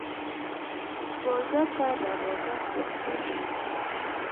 سوالګر ته دروازه خلاصون وي